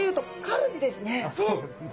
あっそうですね。